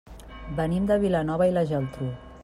Venim de Vilanova i la Geltrú.